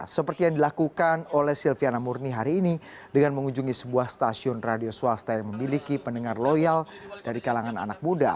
seperti yang dilakukan oleh silviana murni hari ini dengan mengunjungi sebuah stasiun radio swasta yang memiliki pendengar loyal dari kalangan anak muda